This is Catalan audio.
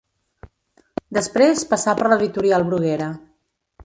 Després passà per l'Editorial Bruguera.